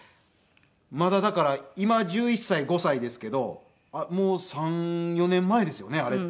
まだだから今１１歳５歳ですけどもう３４年前ですよねあれって。